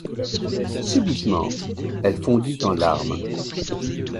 Subitement, elle fondit en larmes.